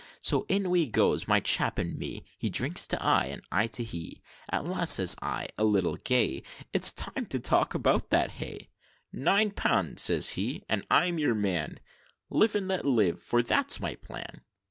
So in we goes, my chap and me; He drinks to I, and I to he; At last, says I, a little gay, 'It's time to talk about that hay,' 'Nine pund,' says he, 'and I'm your man, Live, and let live for that's my plan.'